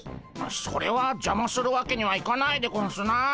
それはじゃまするわけにはいかないでゴンスなあ。